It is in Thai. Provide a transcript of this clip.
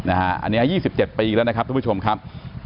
อันนี้๒๗ปีแล้วนะครับทุกผู้ชมครับ